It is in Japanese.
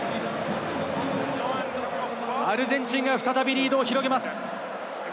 アルゼンチンが再びリードを広げます。